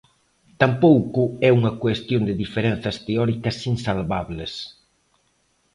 Tampouco é unha cuestión de diferenzas teóricas insalvables.